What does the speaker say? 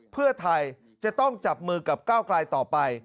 เพื่อไทยจะต้องจับมือกับก้าวกลายต่อไป